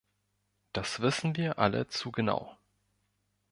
Das wissen wir alle zu genau.